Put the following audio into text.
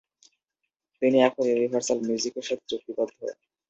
তিনি এখন Universal Music এর সাথে চুক্তিবদ্ধ।